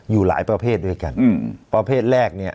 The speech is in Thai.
อยู่หลายประเภทด้วยกันอืมประเภทแรกเนี่ย